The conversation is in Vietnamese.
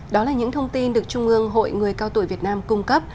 đó là những thông tin được trung ương hội người cao tuổi việt nam cung cấp